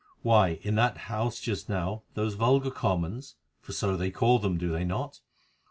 Why, in that house just now those vulgar Commons—for so they call them, do they not?